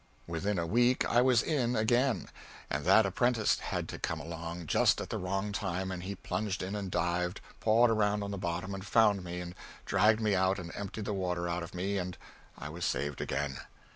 Within a week I was in again, and that apprentice had to come along just at the wrong time, and he plunged in and dived, pawed around on the bottom and found me, and dragged me out and emptied the water out of me, and I was saved again.